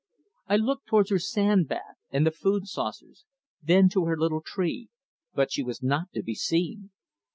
I looked towards her sand bath and the food saucers, then to her little tree, but she was not to be seen.